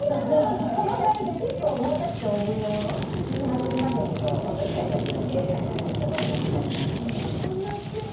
結構重たくて大ぶりのもの口に運ぶまでに落としちゃいがちなんですけどそういうことがなくなりますね。